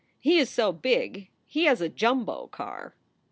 He is so big he has a Jumbo car."